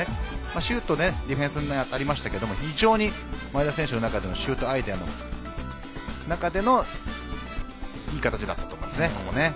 シュートディフェンスに当たりましたが前田選手の中でシュートアイデアもいい形だったと思います。